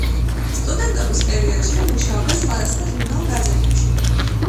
სტუდენტობის პერიოდშივე მუშაობდა სხვადასხვა ჟურნალ-გაზეთებში.